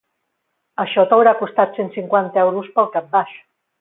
Això t'haurà costat cent cinquanta euros pel cap baix.